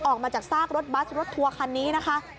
ออกมาจากซากรถบัสรถทัวร์คันนี้นะคะ